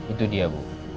itu dia bu